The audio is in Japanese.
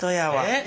えっ？